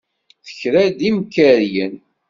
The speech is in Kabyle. Tekra-d imkariyen.